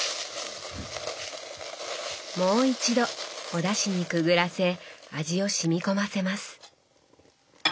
もう一度おだしにくぐらせ味をしみ込ませます。